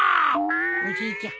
おじいちゃん